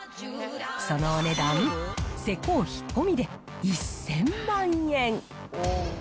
そのお値段、施工費込みで１０００万円。